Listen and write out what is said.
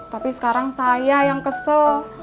tapi sekarang saya yang kesel